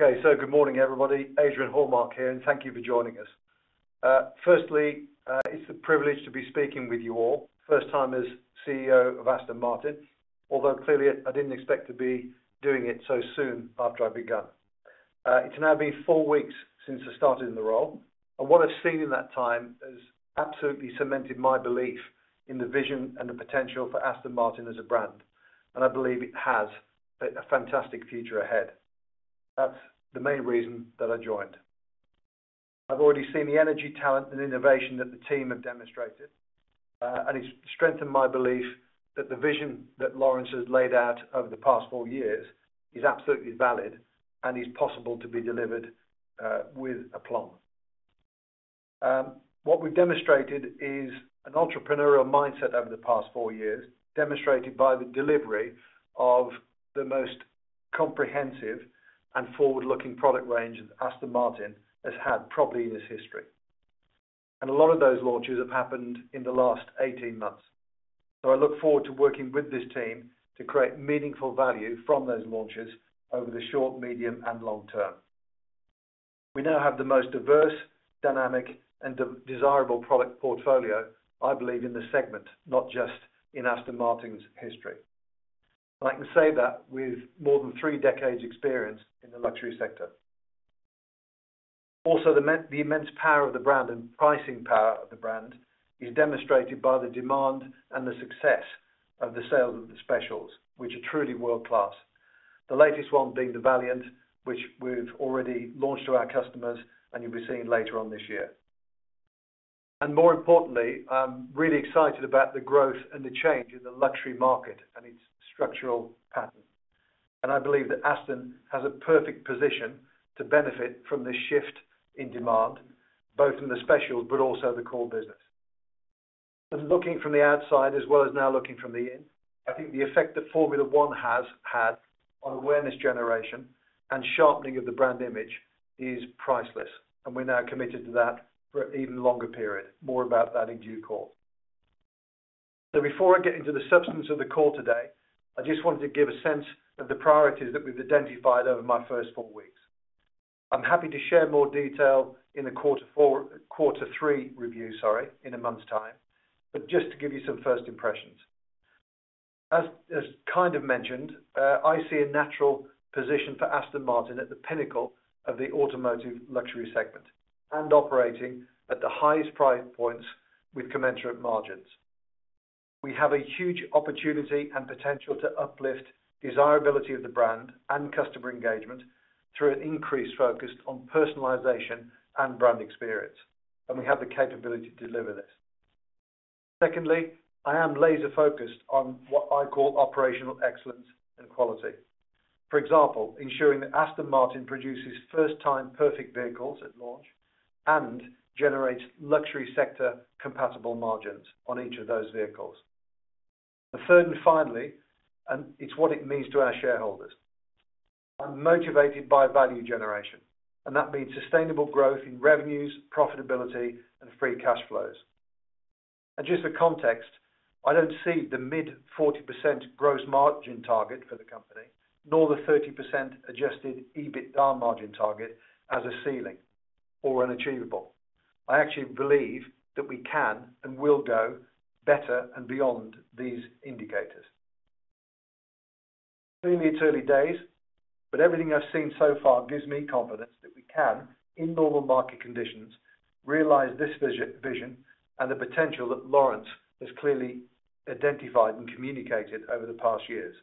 Okay, so good morning, everybody. Adrian Hallmark here and thank you for joining us. Firstly, it's a privilege to be speaking with you all. First time as CEO of Aston Martin, although clearly, I didn't expect to be doing it so soon after I began. It's now been four weeks since I started in the role, and what I've seen in that time has absolutely cemented my belief in the vision and the potential for Aston Martin as a brand, and I believe it has a fantastic future ahead. That's the main reason that I joined. I've already seen the energy, talent, and innovation that the team have demonstrated, and it's strengthened my belief that the vision that Lawrence has laid out over the past four years is absolutely valid and is possible to be delivered with aplomb. What we've demonstrated is an entrepreneurial mindset over the past four years, demonstrated by the delivery of the most comprehensive and forward-looking product range that Aston Martin has had, probably in its history. And a lot of those launches have happened in the last eighteen months. So, I look forward to working with this team to create meaningful value from those launches over the short, medium, and long-term. We now have the most diverse, dynamic, and desirable product portfolio, I believe, in the segment, not just in Aston Martin's history. And I can say that with more than three decades experience in the luxury sector. Also, the immense power of the brand and pricing power of the brand is demonstrated by the demand and the success of the sales of the specials, which are truly world-class. The latest one being the Valiant, which we've already launched to our customers and you'll be seeing later on this year, and more importantly, I'm really excited about the growth and the change in the luxury market and its structural pattern, and I believe that Aston has a perfect position to benefit from this shift in demand, both in the specials but also the core business, and looking from the outside as well as now looking from the in. I think the effect that Formula One has had on awareness generation and sharpening of the brand image is priceless, and we're now committed to that for an even longer period, more about that in due course, so before I get into the substance of the call today, I just wanted to give a sense of the priorities that we've identified over my first four weeks. I'm happy to share more detail in the Quarter Four- Quarter Three review, sorry, in a month's time, but just to give you some first impressions. As, as kind of mentioned, I see a natural position for Aston Martin at the pinnacle of the automotive luxury segment and operating at the highest price points with commensurate margins. We have a huge opportunity and potential to uplift desirability of the brand and customer engagement through an increased focus on personalization and brand experience, and we have the capability to deliver this. Secondly, I am laser focused on what I call operational excellence and quality. For example, ensuring that Aston Martin produces first-time perfect vehicles at launch and generates luxury sector-compatible margins on each of those vehicles. The third and finally, and it's what it means to our shareholders. I'm motivated by value generation, and that means sustainable growth in revenues, profitability, and free cash flows. And just for context, I don't see the mid-40% gross margin target for the company, nor the 30% Adjusted EBITDA margin target as a ceiling or unachievable. I actually believe that we can and will go better and beyond these indicators. Clearly, it's early days, but everything I've seen so far gives me confidence that we can, in normal market conditions, realize this vision and the potential that Lawrence has clearly identified and communicated over the past years,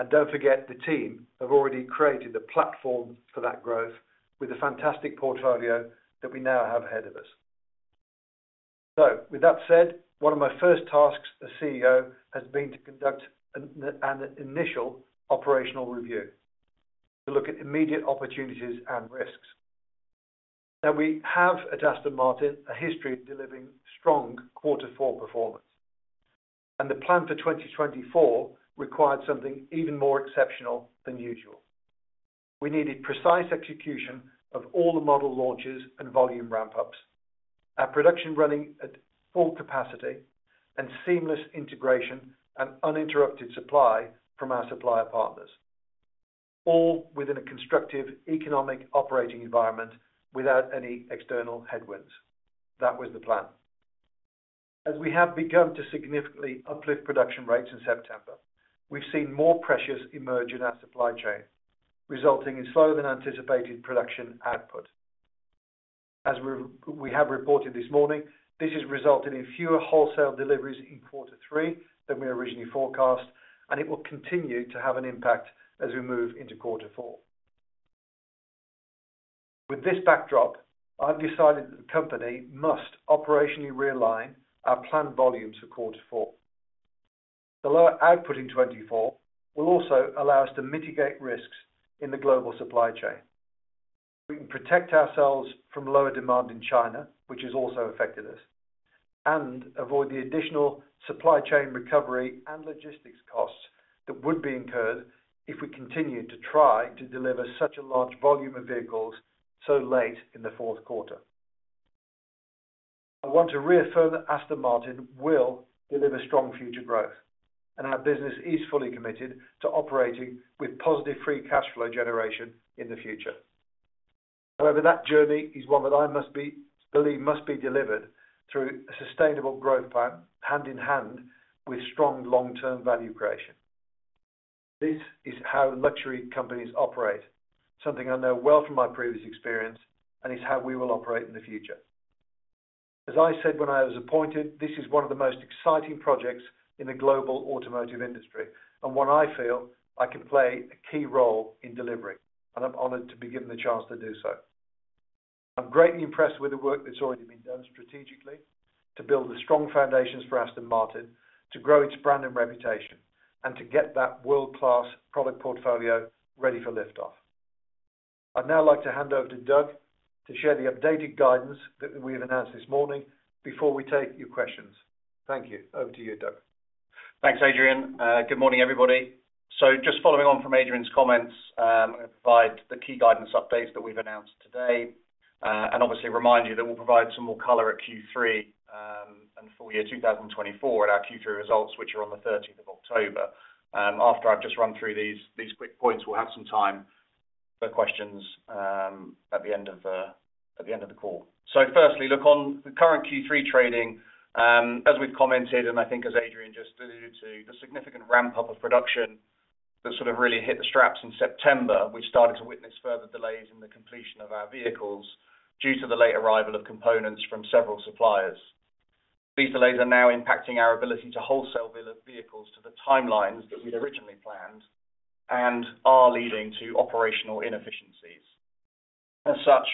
and don't forget, the team have already created a platform for that growth with the fantastic portfolio that we now have ahead of us, so with that said, one of my first tasks as CEO has been to conduct an initial operational review to look at immediate opportunities and risks. Now, we have, at Aston Martin, a history of delivering strong quarter four performance, and the plan for 2024 required something even more exceptional than usual. We needed precise execution of all the model launches and volume ramp-ups, our production running at full capacity, and seamless integration and uninterrupted supply from our supplier partners, all within a constructive economic operating environment without any external headwinds. That was the plan. As we have begun to significantly uplift production rates in September, we've seen more pressures emerge in our supply chain, resulting in slower than anticipated production output. As we have reported this morning, this has resulted in fewer wholesale deliveries in quarter three than we originally forecast, and it will continue to have an impact as we move into quarter four. With this backdrop, I've decided that the company must operationally realign our planned volumes for quarter four. The lower output in 2024 will also allow us to mitigate risks in the global supply chain. We can protect ourselves from lower demand in China, which has also affected us, and avoid the additional supply chain recovery and logistics costs that would be incurred if we continued to try to deliver such a large volume of vehicles so late in the fourth quarter. I want to reaffirm that Aston Martin will deliver strong future growth, and our business is fully committed to operating with positive free cash flow generation in the future. However, that journey is one that I believe must be delivered through a sustainable growth plan, hand-in-hand with strong, long-term value creation. This is how luxury companies operate, something I know well from my previous experience, and it's how we will operate in the future. As I said when I was appointed, this is one of the most exciting projects in the global automotive industry, and one I feel I can play a key role in delivering, and I'm honored to be given the chance to do so. I'm greatly impressed with the work that's already been done strategically to build the strong foundations for Aston Martin, to grow its brand and reputation, and to get that world-class product portfolio ready for liftoff. I'd now like to hand over to Doug to share the updated guidance that we have announced this morning before we take your questions. Thank you. Over to you, Doug. Thanks, Adrian. Good morning, everybody. So just following on from Adrian's comments, I'm going to provide the key guidance updates that we've announced today. And obviously remind you that we'll provide some more color at Q3 and full year 2024 at our Q3 results, which are on the 13th of October. After I've just run through these quick points, we'll have some time for questions at the end of the call. So firstly, look, on the current Q3 trading, as we've commented, and I think as Adrian just alluded to, the significant ramp-up of production that sort of really hit the straps in September, we started to witness further delays in the completion of our vehicles due to the late arrival of components from several suppliers. These delays are now impacting our ability to wholesale vehicles to the timelines that we'd originally planned and are leading to operational inefficiencies. As such,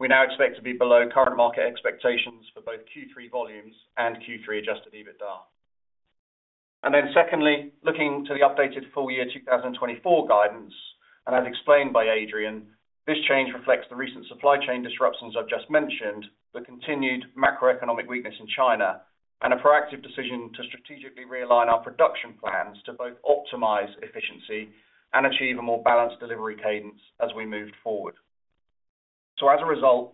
we now expect to be below current market expectations for both Q3 volumes and Q3 Adjusted EBITDA. And then secondly, looking to the updated full year 2024 guidance, and as explained by Adrian, this change reflects the recent supply chain disruptions I've just mentioned, the continued macroeconomic weakness in China, and a proactive decision to strategically realign our production plans to both optimize efficiency and achieve a more balanced delivery cadence as we move forward. So, as a result,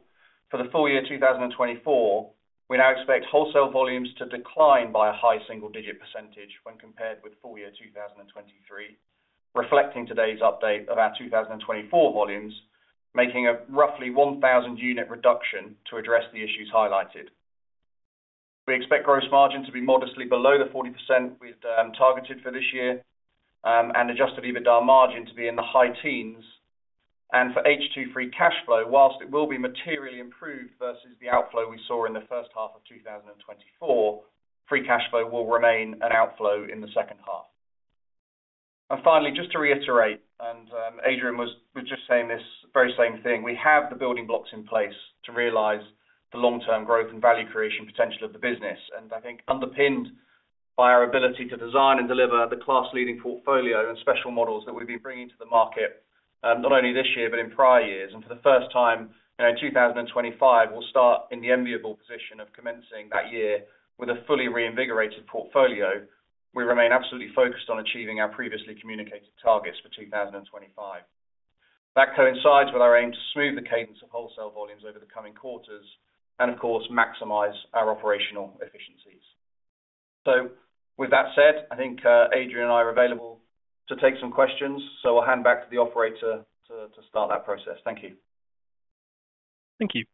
for the full year 2024, we now expect wholesale volumes to decline by a high single-digit % when compared with full year 2023, reflecting today's update of our 2024 volumes, making a roughly 1,000-unit reduction to address the issues highlighted. We expect gross margin to be modestly below the 40% we'd targeted for this year and Adjusted EBITDA margin to be in the high teens. And for H2 free cash flow, whilst it will be materially improved versus the outflow we saw in the first half of 2024, free cash flow will remain an outflow in the second half. And finally, just to reiterate, and Adrian was just saying this very same thing, we have the building blocks in place to realize the long-term growth and value creation potential of the business, and I think underpinned by our ability to design and deliver the class-leading portfolio and special models that we've been bringing to the market, not only this year, but in prior years. For the first time, you know, in 2025, we'll start in the enviable position of commencing that year with a fully reinvigorated portfolio. We remain absolutely focused on achieving our previously communicated targets for 2025. That coincides with our aim to smooth the cadence of wholesale volumes over the coming quarters and, of course, maximize our operational efficiencies. With that said, I think, Adrian and I are available to take some questions, so I'll hand back to the operator to start that process. Thank you. Thank you.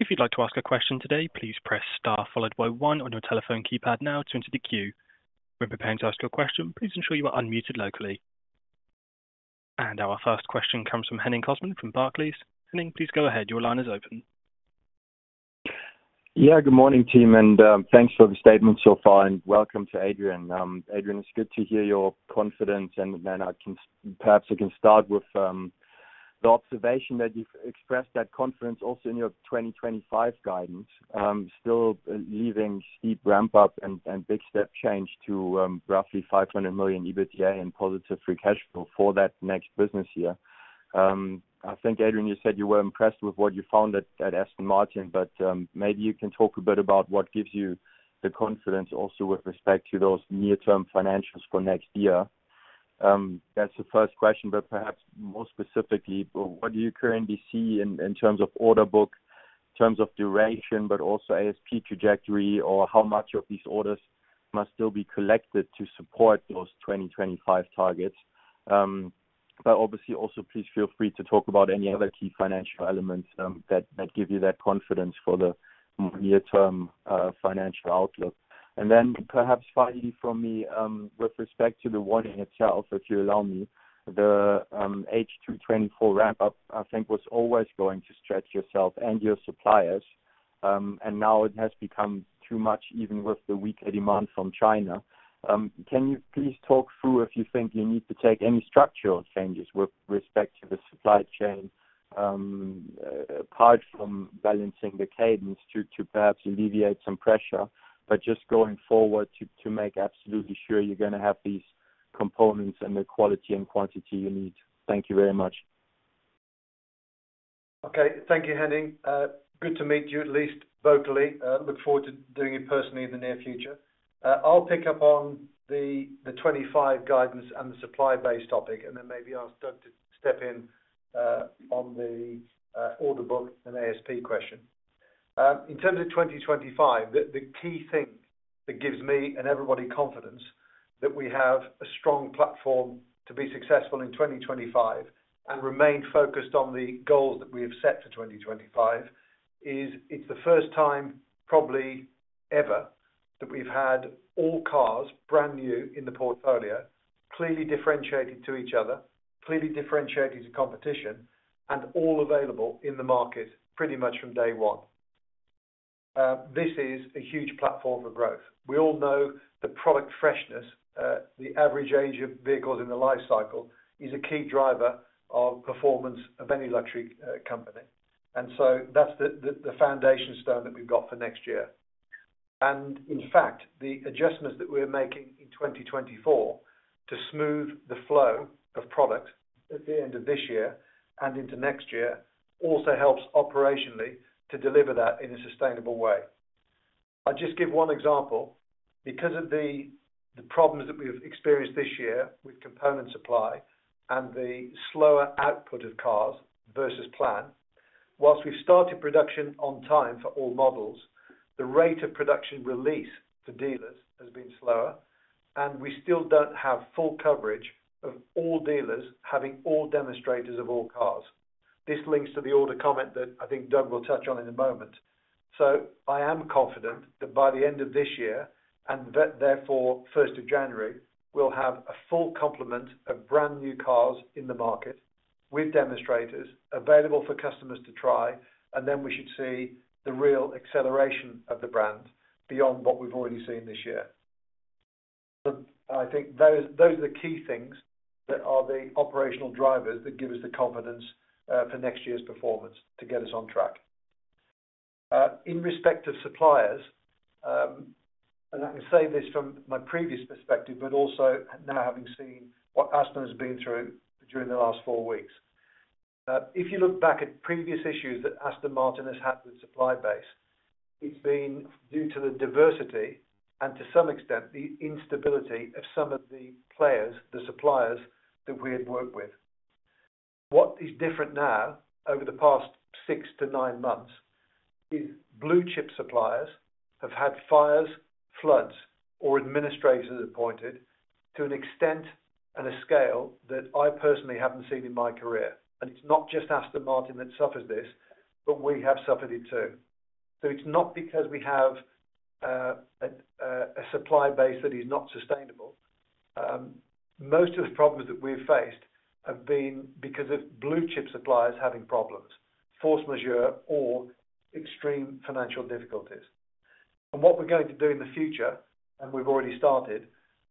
If you'd like to ask a question today, please press star followed by one on your telephone keypad now to enter the queue. When preparing to ask your question, please ensure you are unmuted locally. And our first question comes from Henning Cosman from Barclays. Henning, please go ahead. Your line is open. Yeah, good morning, team, and thanks for the statement so far, and welcome to Adrian. Adrian, it's good to hear your confidence, and then perhaps I can start with the observation that you've expressed that confidence also in your 2025 guidance, still leaving steep ramp-up and big step change to roughly five hundred million EBITDA and positive free cash flow for that next business year. I think, Adrian, you said you were impressed with what you found at Aston Martin, but maybe you can talk a bit about what gives you the confidence also with respect to those near-term financials for next year. That's the first question, but perhaps more specifically, what do you currently see in terms of order book, in terms of duration, but also ASP trajectory, or how much of these orders must still be collected to support those 2025 targets? But obviously also, please feel free to talk about any other key financial elements that give you that confidence for the near-term financial outlook. And then perhaps finally from me, with respect to the warning itself, if you allow me, the H2 2024 ramp-up, I think, was always going to stretch yourself and your suppliers, and now it has become too much, even with the weaker demand from China. Can you please talk through if you think you need to take any structural changes with respect to the supply chain, apart from balancing the cadence to perhaps alleviate some pressure, but just going forward, to make absolutely sure you're gonna have these components and the quality and quantity you need? Thank you very much. Okay. Thank you, Henning. Good to meet you, at least vocally. Look forward to doing it personally in the near future. I'll pick up on the 2025 guidance and the supply-based topic, and then maybe ask Doug to step in on the order book and ASP question. In terms of 2025, the key thing that gives me and everybody confidence that we have a strong platform to be successful in 2025 and remain focused on the goals that we have set for 2025 is it's the first time, probably ever, that we've had all cars brand new in the portfolio, clearly differentiated to each other, clearly differentiated to competition, and all available in the market pretty much from day one. This is a huge platform for growth. We all know that product freshness, the average age of vehicles in the life cycle, is a key driver of performance of any luxury company. So that's the foundation stone that we've got for next year. In fact, the adjustments that we're making in 2024 to smooth the flow of product at the end of this year and into next year also helps operationally to deliver that in a sustainable way. I'll just give one example. Because of the problems that we've experienced this year with component supply and the slower output of cars versus plan, while we've started production on time for all models, the rate of production release to dealers has been slower, and we still don't have full coverage of all dealers having all demonstrators of all cars. This links to the order comment that I think Doug will touch on in a moment. So, I am confident that by the end of this year, and therefore, first of January, we'll have a full complement of brand-new cars in the market with demonstrators, available for customers to try, and then we should see the real acceleration of the brand beyond what we've already seen this year. So I think those are the key things that are the operational drivers that give us the confidence for next year's performance to get us on track. In respect to suppliers, and I can say this from my previous perspective, but also now having seen what Aston has been through during the last four weeks. If you look back at previous issues that Aston Martin has had with the supply base, it's been due to the diversity and to some extent, the instability of some of the players, the suppliers that we had worked with. What is different now, over the past six to nine months, is blue chip suppliers have had fires, floods, or administrators appointed to an extent and a scale that I personally haven't seen in my career. And it's not just Aston Martin that suffers this, but we have suffered it, too. So, it's not because we have a supply base that is not sustainable. Most of the problems that we have faced have been because of blue chip suppliers having problems, force majeure or extreme financial difficulties. And what we're going to do in the future, and we've already started,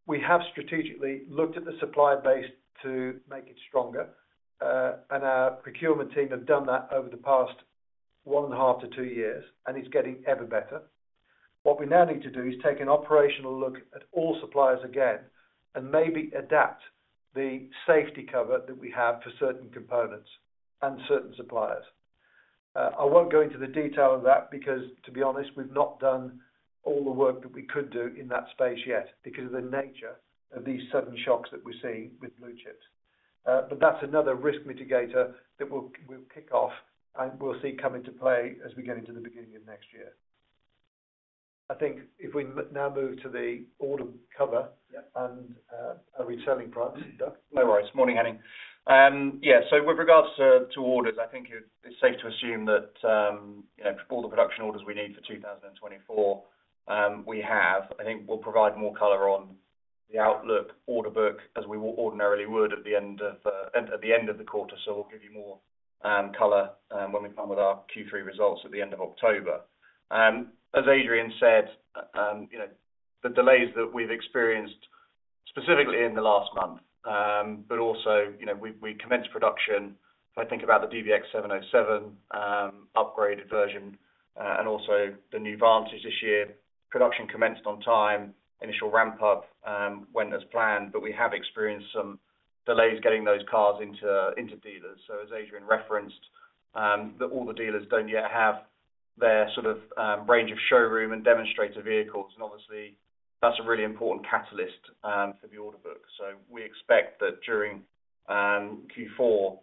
we have strategically looked at the supplier base to make it stronger, and our procurement team have done that over the past one and a half to two years, and it's getting ever better. What we now need to do is take an operational look at all suppliers again, and maybe adapt the safety cover that we have for certain components and certain suppliers. I won't go into the detail of that because, to be honest, we've not done all the work that we could do in that space yet because of the nature of these sudden shocks that we're seeing with blue chips. But that's another risk mitigator that we'll kick off and we'll see come into play as we get into the beginning of next year. I think if we now move to the order cover- Yeah. - and, returning products, Doug. No worries. Morning, Henning. Yeah, so with regards to orders, I think it's safe to assume that, you know, all the production orders we need for 2024, we have. I think we'll provide more color on the outlook order book, as we ordinarily would at the end of the quarter. So, we'll give you more color when we come with our Q3 results at the end of October. As Adrian said, you know, the delays that we've experienced, specifically in the last month, but also, you know, we commenced production. If I think about the DBX707, upgraded version, and also the new Vantage this year, production commenced on time. Initial ramp up went as planned, but we have experienced some delays getting those cars into dealers. So as Adrian referenced, that all the dealers don't yet have their sort of range of showroom and demonstrator vehicles, and obviously that's a really important catalyst for the order book. We expect that during Q4,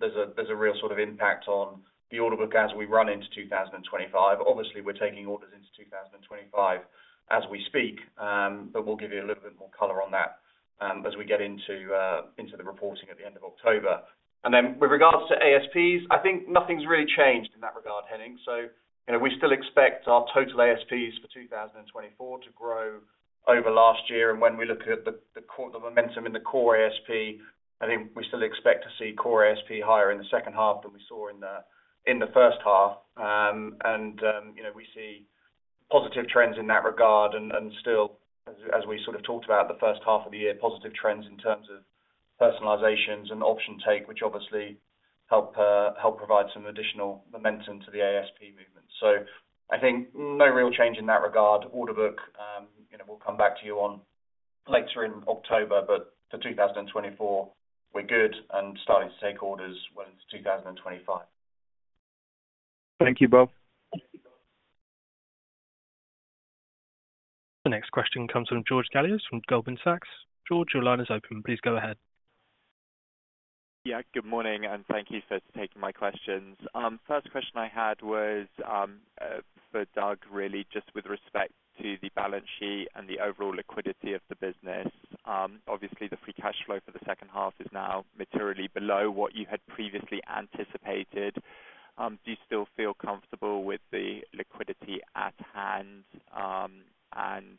there's a real sort of impact on the order book as we run into 2025. Obviously, we're taking orders into 2025 as we speak, but we'll give you a little bit more color on that as we get into the reporting at the end of October. With regards to ASPs, I think nothing's really changed in that regard, Henning. So, you know, we still expect our total ASPs for 2024 to grow over last year, and when we look at the momentum in the core ASP, I think we still expect to see core ASP higher in the second half than we saw in the first half. And, you know, we see positive trends in that regard and still, as we sort of talked about the first half of the year, positive trends in terms of personalizations and option take, which obviously help provide some additional momentum to the ASP movement. So I think no real change in that regard. Order book, you know, we'll come back to you on later in October, but for 2024, we're good and starting to take orders when it's 2025. Thank you, both. The next question comes from George Galliers from Goldman Sachs. George, your line is open. Please go ahead. Yeah, good morning, and thank you for taking my questions. First question I had was, for Doug, really, just with respect to the balance sheet and the overall liquidity of the business. Obviously, the free cash flow for the second half is now materially below what you had previously anticipated. Do you still feel comfortable with the liquidity at hand? And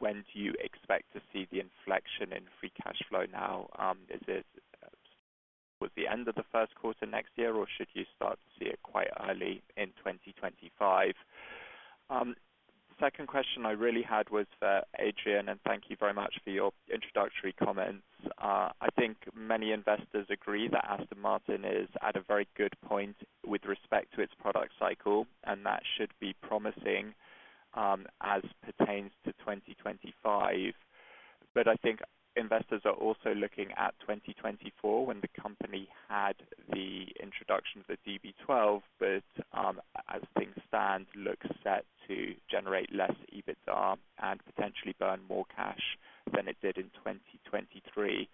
when do you expect to see the inflection in free cash flow now? Is it, towards the end of the first quarter next year, or should you start to see it quite early in 2025? Second question I really had was for Adrian, and thank you very much for your introductory comments. I think many investors agree that Aston Martin is at a very good point with respect to its product cycle, and that should be promising as pertains to 2025. But I think investors are also looking at 2024, when the company had the introduction of the DB12, but as things stand, looks set to generate less EBITDA and potentially burn more cash than it did in 2023.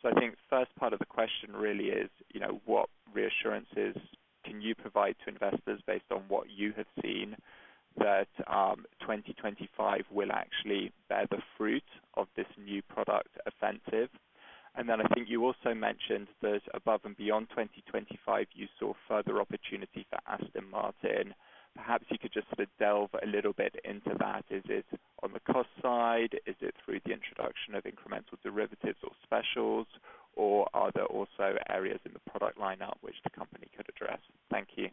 So I think the first part of the question really is, you know, what reassurances can you provide to investors based on what you have seen, that 2025 will actually bear the fruit of this new product offensive? And then I think you also mentioned that above and beyond 2025, you saw further opportunity for Aston Martin. Perhaps you could just sort of delve a little bit into that. Is it on the cost side? Is it through the introduction of incremental derivatives or specials, or are there also areas in the product lineup which the company could address? Thank you.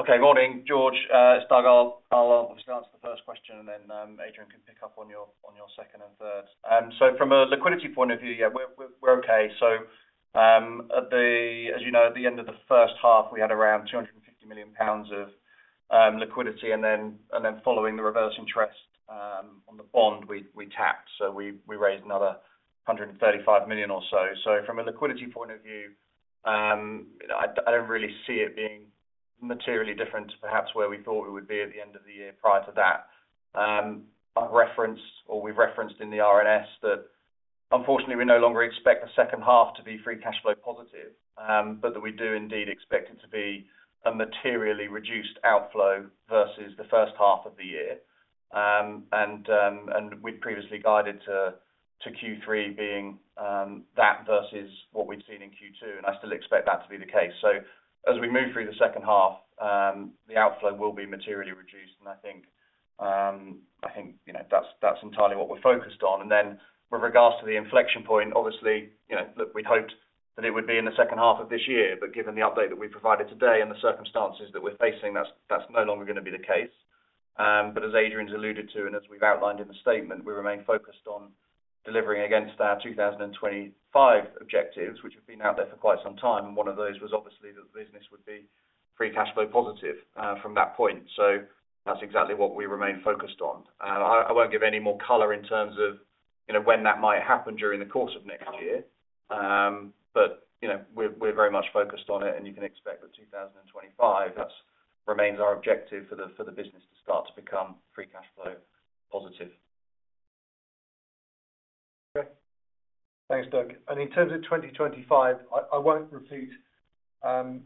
Okay, morning, George, it's Doug. And I'll obviously answer the first question, and then Adrian can pick up on your second and third. So from a liquidity point of view, yeah, we're okay. As you know, at the end of the first half, we had around 250 million pounds of liquidity, and then following the rights issue on the bond, we tapped. So we raised another 135 million or so. So from a liquidity point of view, you know, I don't really see it being materially different to perhaps where we thought we would be at the end of the year prior to that. I've referenced, or we've referenced in the RNS, that unfortunately, we no longer expect the second half to be free cash flow positive, but that we do indeed expect it to be a materially reduced outflow versus the first half of the year. And we'd previously guided to Q3 being that versus what we'd seen in Q2, and I still expect that to be the case. So as we move through the second half, the outflow will be materially reduced, and I think, you know, that's entirely what we're focused on. And then with regards to the inflection point, obviously, you know, look, we'd hoped that it would be in the second half of this year, but given the update that we've provided today and the circumstances that we're facing, that's no longer going to be the case. But as Adrian's alluded to, and as we've outlined in the statement, we remain focused on delivering against our 2025 objectives, which have been out there for quite some time, and one of those was obviously that the business would be free cash flow positive from that point. So that's exactly what we remain focused on. I won't give any more color in terms of, you know, when that might happen during the course of next year. But you know, we're very much focused on it, and you can expect that 2025 that remains our objective for the business to start to become free cash flow positive. Okay. Thanks, Doug. And in terms of 2025, I won't repeat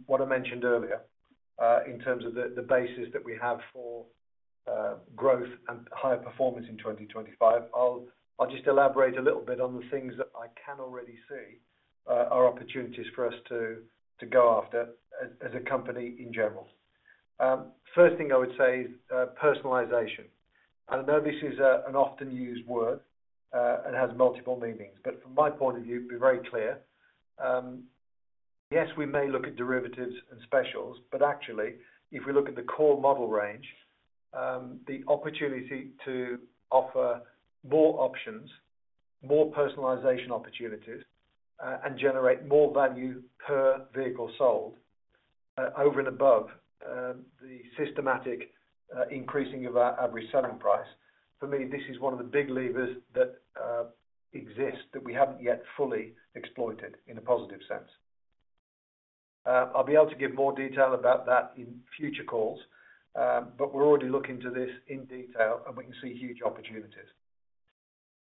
what I mentioned earlier in terms of the basis that we have for growth and higher performance in 2025. I'll just elaborate a little bit on the things that I can already see are opportunities for us to go after as a company in general. First thing I would say is personalization. I know this is an often used word and has multiple meanings, but from my point of view, to be very clear, yes, we may look at derivatives and specials, but actually, if we look at the core model range, the opportunity to offer more options, more personalization opportunities, and generate more value per vehicle sold, over and above the systematic increasing of our average selling price, for me, this is one of the big levers that exist that we haven't yet fully exploited in a positive sense. I'll be able to give more detail about that in future calls, but we're already looking to this in detail, and we can see huge opportunities.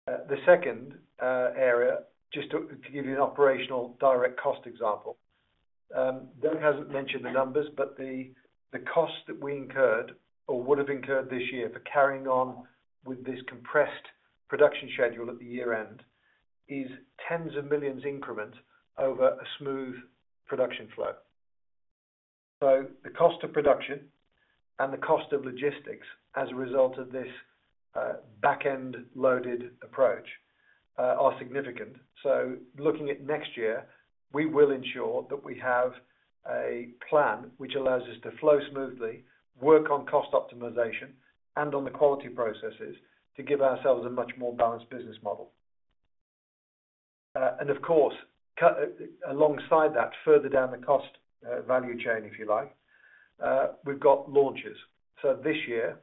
The second area, just to give you an operational direct cost example, Doug hasn't mentioned the numbers, but the cost that we incurred or would have incurred this year for carrying on with this compressed production schedule at the year end, is tens of millions increment over a smooth production flow. So, the cost of production and the cost of logistics as a result of this back end loaded approach are significant. Looking at next year, we will ensure that we have a plan which allows us to flow smoothly, work on cost optimization, and on the quality processes to give ourselves a much more balanced business model. And of course, alongside that, further down the cost value chain, if you like, we've got launches. So this year,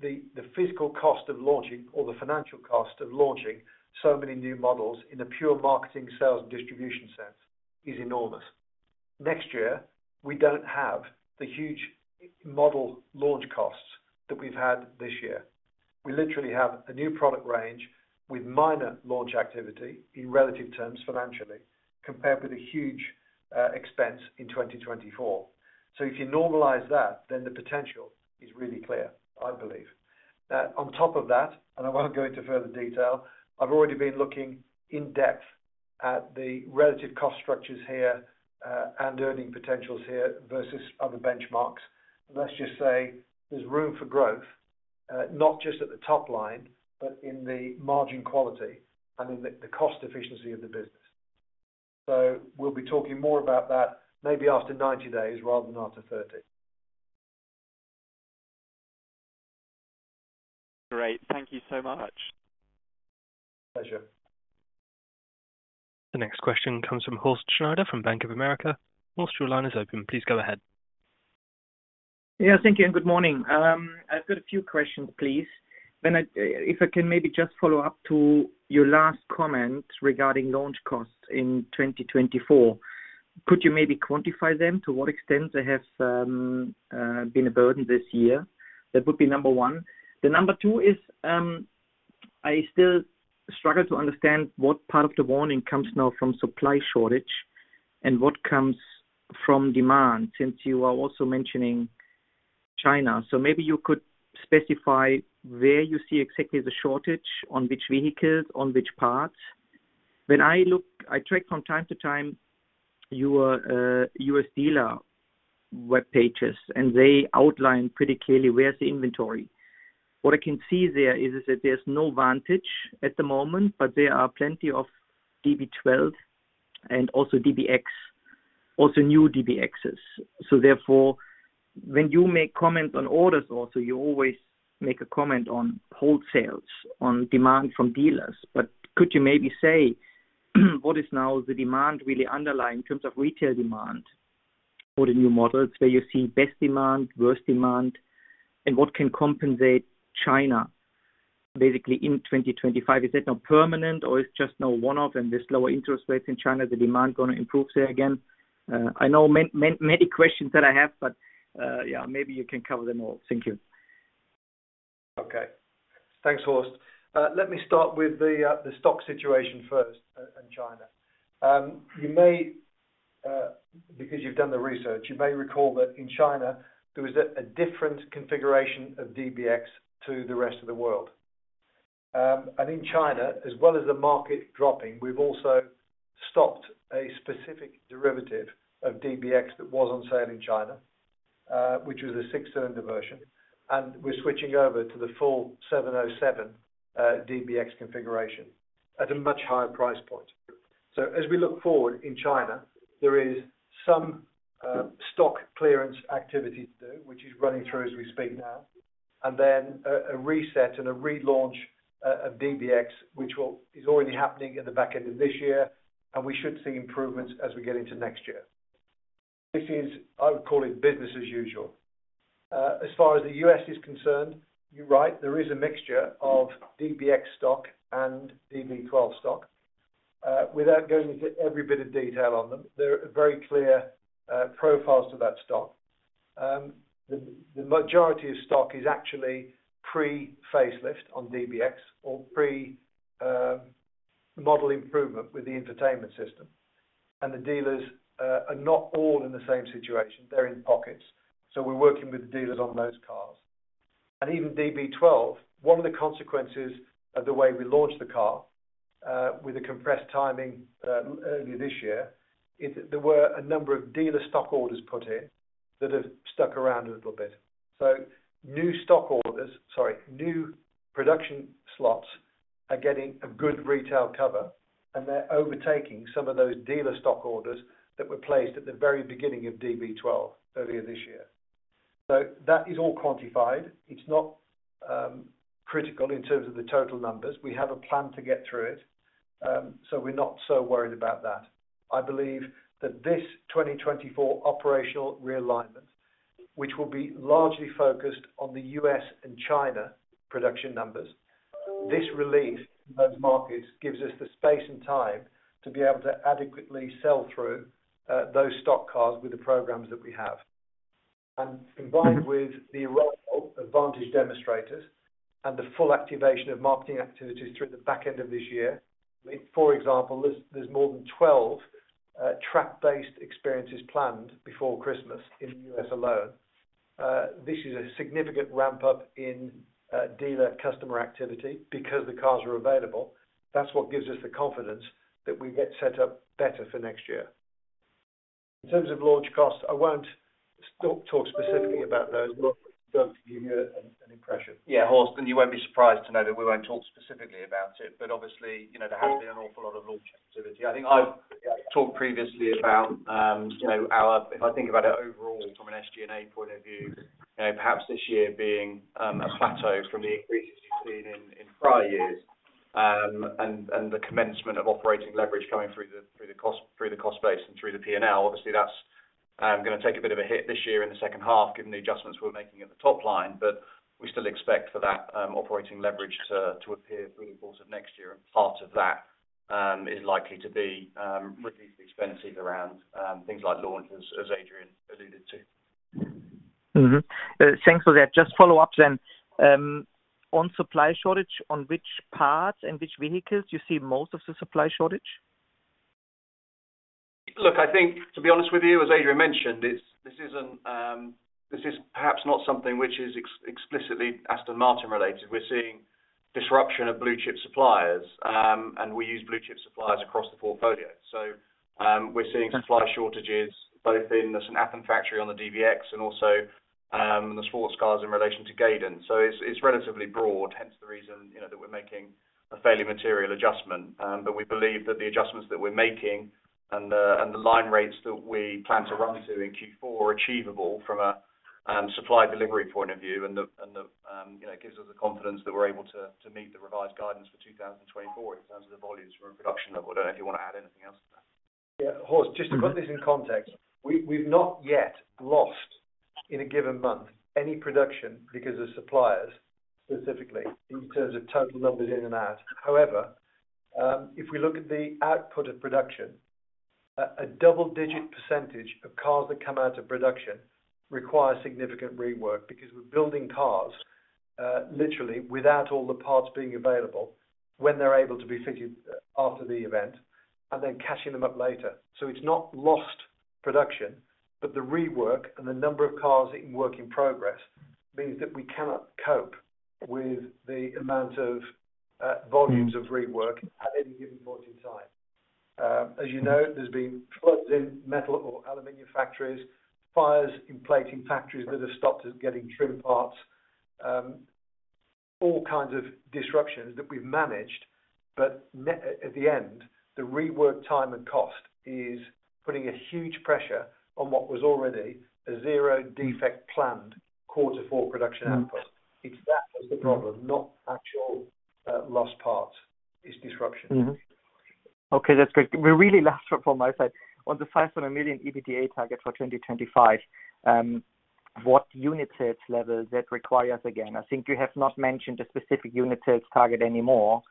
the physical cost of launching or the financial cost of launching so many new models in a pure marketing, sales, and distribution sense is enormous. Next year, we don't have the huge model launch costs that we've had this year. We literally have a new product range with minor launch activity in relative terms financially, compared with a huge expense in 2024. So if you normalize that, then the potential is really clear, I believe. Now, on top of that, and I won't go into further detail, I've already been looking in-depth at the relative cost structures here, and earning potentials here versus other benchmarks. Let's just say there's room for growth, not just at the top line, but in the margin quality and in the cost efficiency of the business. So we'll be talking more about that maybe after 90 days, rather than after 30. Great. Thank you so much. Pleasure. The next question comes from Horst Schneider, from Bank of America. Horst, your line is open. Please go ahead. Yeah, thank you, and good morning. I've got a few questions, please. Then, if I can maybe just follow up to your last comment regarding launch costs in 2024, could you maybe quantify them? To what extent they have been a burden this year? That would be number one. The number two is, I still struggle to understand what part of the warning comes now from supply shortage and what comes from demand, since you are also mentioning China. So maybe you could specify where you see exactly the shortage, on which vehicles, on which parts. When I look, I track from time to time, your US dealer web pages, and they outline pretty clearly where's the inventory. What I can see there is that there's no Vantage at the moment, but there are plenty of DB12 and also DBX, also new DBXs. So therefore, when you make comments on orders also, you always make a comment on wholesales, on demand from dealers. But could you maybe say, what is now the demand really underlying in terms of retail demand for the new models, where you see best demand, worst demand, and what can compensate China basically in 2025? Is that now permanent or it's just now one-off, and there's lower interest rates in China, the demand gonna improve there again? I know many, many, many questions that I have, but, yeah, maybe you can cover them all. Thank you. Okay. Thanks, Horst. Let me start with the stock situation first in China. You may, because you've done the research, you may recall that in China, there is a different configuration of DBX to the rest of the world. And in China, as well as the market dropping, we've also stopped a specific derivative of DBX that was on sale in China, which was a six-cylinder version, and we're switching over to the full 707 DBX configuration at a much higher price point. So as we look forward in China, there is some stock clearance activity to do, which is running through as we speak now, and then a reset and a relaunch of DBX, which is already happening in the back end of this year, and we should see improvements as we get into next year. This is, I would call it, business as usual. As far as the US is concerned, you're right, there is a mixture of DBX stock and DB12 stock. Without going into every bit of detail on them, there are very clear profiles to that stock. The majority of stock is actually pre-facelift on DBX or pre model improvement with the entertainment system. And the dealers are not all in the same situation. They're in pockets. So, we're working with the dealers on those cars. And even DB12, one of the consequences of the way we launched the car with the compressed timing earlier this year, is that there were a number of dealer stock orders put in that have stuck around a little bit. So new production slots are getting a good retail cover, and they're overtaking some of those dealer stock orders that were placed at the very beginning of DB12 earlier this year. So that is all quantified. It's not critical in terms of the total numbers. We have a plan to get through it, so we're not so worried about that. I believe that this 2024 operational realignment, which will be largely focused on the US and China production numbers, this release in those markets, gives us the space and time to be able to adequately sell through those stock cars with the programs that we have. And combined with the arrival of Vantage demonstrators and the full activation of marketing activities through the back end of this year, for example, there's more than 12 track-based experiences planned before Christmas in the US alone. This is a significant ramp-up in dealer customer activity because the cars are available. That's what gives us the confidence that we get set up better for next year. In terms of launch costs, I won't talk specifically about those. Well, give you an impression. Yeah, Horst, and you won't be surprised to know that we won't talk specifically about it, but obviously, you know, there has been an awful lot of launch activity. I think I've talked previously about, you know, If I think about it overall from an SG&A point of view, you know, perhaps this year being a plateau from the increases you've seen in prior years, and the commencement of operating leverage coming through the cost base and through the P&L. Obviously, that's, I'm gonna take a bit of a hit this year in the second half, given the adjustments we're making at the top line, but we still expect for that operating leverage to appear through the course of next year, and part of that is likely to be reduced expenses around things like launches, as Adrian alluded to. Mm-hmm. Thanks for that. Just follow up then. On supply shortage, on which parts and which vehicles do you see most of the supply shortage? Look, I think, to be honest with you, as Adrian mentioned, this, this isn't, this is perhaps not something which is explicitly Aston Martin related. We're seeing disruption of blue chip suppliers, and we use blue chip suppliers across the portfolio. So, we're seeing supply shortages both in the St Athan factory on the DBX and also, in the sports cars in relation to Gaydon. So it's, it's relatively broad, hence the reason, you know, that we're making a fairly material adjustment. But we believe that the adjustments that we're making and the line rates that we plan to run to in Q4 are achievable from a supply delivery point of view, and you know gives us the confidence that we're able to meet the revised guidance for 2024 in terms of the volumes for production level. I don't know if you wanna add anything else to that. Yeah, Horst, just to put this in context, we, we've not yet lost, in a given month, any production because of suppliers, specifically, in terms of total numbers in and out. However, if we look at the output of production, a double-digit percentage of cars that come out of production require significant rework because we're building cars, literally without all the parts being available when they're able to be fitted after the event, and then catching them up later. So it's not lost production, but the rework and the number of cars in work in progress, means that we cannot cope with the amount of volumes of rework at any given point in time. As you know, there's been floods in metal or aluminum factories, fires in plating factories that have stopped us getting trim parts, all kinds of disruptions that we've managed, but at the end, the rework time and cost is putting a huge pressure on what was already a zero defect planned quarter four production output. It's that, that's the problem, not actual, lost parts. It's disruption. Mm-hmm. Okay, that's great. Well, really last one from my side. On the 500 million EBITDA target for 2025, what unit sales level does that require us again? I think you have not mentioned a specific unit sales target anymore,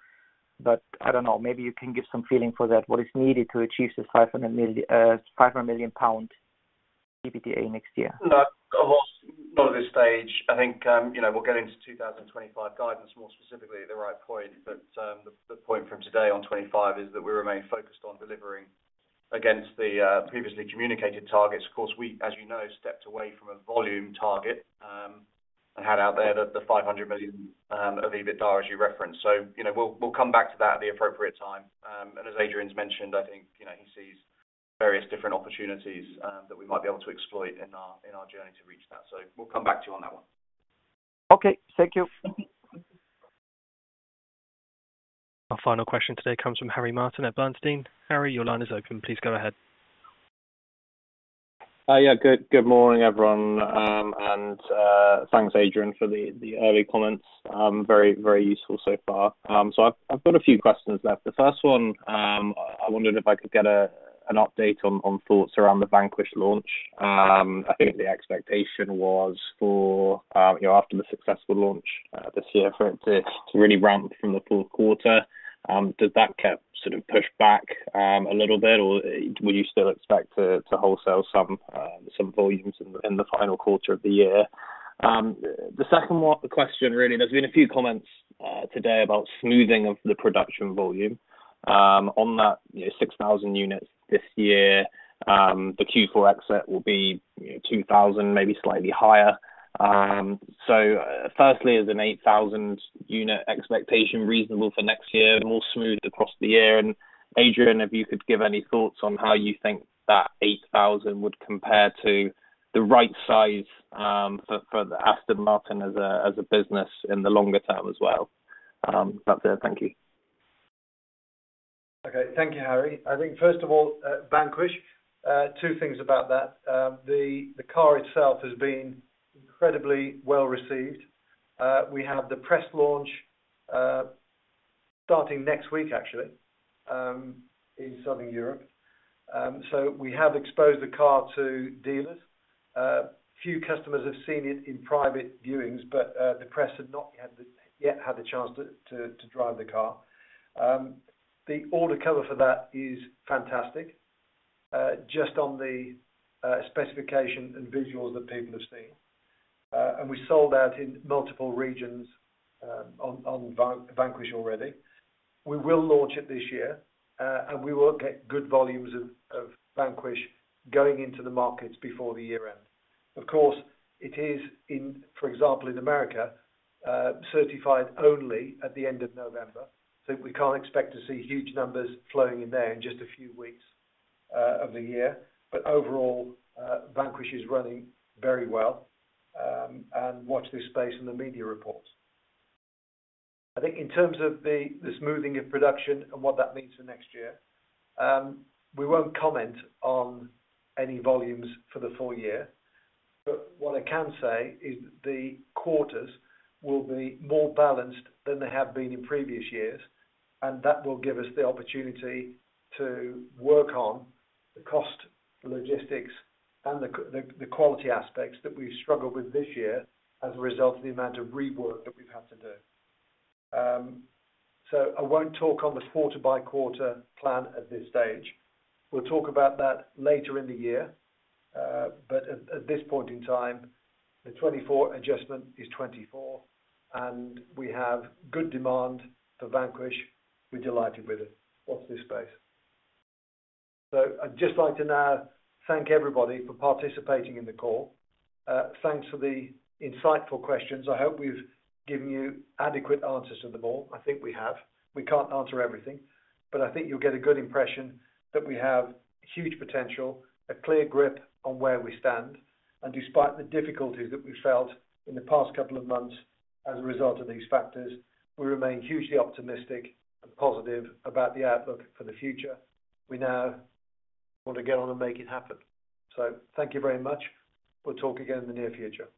but I don't know, maybe you can give some feeling for that. What is needed to achieve this 500 million pound EBITDA next year? No, Horst, not at this stage. I think, you know, we'll get into 2025 guidance, more specifically at the right point, but the point from today on 2025 is that we remain focused on delivering against the previously communicated targets. Of course, we, as you know, stepped away from a volume target, and had out there that the 500 million of EBITDA as you referenced. So, you know, we'll come back to that at the appropriate time. And as Adrian's mentioned, I think, you know, he sees various different opportunities that we might be able to exploit in our journey to reach that. So we'll come back to you on that one. Okay. Thank you. Our final question today comes from Harry Martin at Bernstein. Harry, your line is open. Please go ahead. Yeah, good morning, everyone, and thanks, Adrian, for the early comments. Very, very useful so far. So I've got a few questions left. The first one, I wondered if I could get an update on thoughts around the Vanquish launch. I think the expectation was for, you know, after the successful launch this year for it to really ramp from the fourth quarter. Does that get sort of pushed back a little bit, or would you still expect to wholesale some volumes in the final quarter of the year? The second one, question really, there's been a few comments today about smoothing of the production volume. On that, you know, 6,000 units this year, the Q4 exit will be, you know, 2,000, maybe slightly higher. So firstly, is an 8,000-unit expectation reasonable for next year, more smoothed across the year? And, Adrian, if you could give any thoughts on how you think that 8,000 would compare to the right size, for Aston Martin as a business in the longer term as well? That's it. Thank you. Okay. Thank you, Harry. I think, first of all, Vanquish, two things about that. The car itself has been incredibly well received. We have the press launch starting next week, actually, in Southern Europe. So we have exposed the car to dealers. Few customers have seen it in private viewings, but the press have not yet had the chance to drive the car. The order cover for that is fantastic, just on the specification and visuals that people have seen. And we sold out in multiple regions on Vanquish already. We will launch it this year, and we will get good volumes of Vanquish going into the markets before the year end. Of course, it is in, for example, in America, certified only at the end of November, so we can't expect to see huge numbers flowing in there in just a few weeks of the year. But overall, Vanquish is running very well, and watch this space in the media reports. I think in terms of the smoothing of production and what that means for next year, we won't comment on any volumes for the full year, but what I can say is the quarters will be more balanced than they have been in previous years, and that will give us the opportunity to work on the cost, the logistics, and the quality aspects that we struggled with this year as a result of the amount of rework that we've had to do. So I won't talk on the quarter-by-quarter plan at this stage. We'll talk about that later in the year, but at this point in time, the 24 adjustment is 24, and we have good demand for Vanquish. We're delighted with it. Watch this space. So I'd just like to now thank everybody for participating in the call. Thanks for the insightful questions. I hope we've given you adequate answers to them all. I think we have. We can't answer everything, but I think you'll get a good impression that we have huge potential, a clear grip on where we stand, and despite the difficulties that we felt in the past couple of months as a result of these factors, we remain hugely optimistic and positive about the outlook for the future. We now want to get on and make it happen. So thank you very much. We'll talk again in the near future.